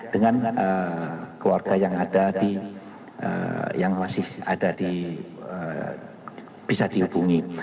dengan keluarga yang masih ada di bisa dihubungi